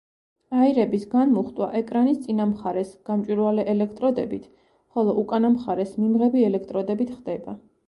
აირების განმუხტვა ეკრანის წინა მხარეს გამჭვირვალე ელექტროდებით, ხოლო უკანა მხრეს მიმღები ელექტროდებით ხდება.